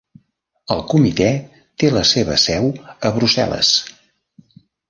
El Comitè té la seva seu a Brussel·les.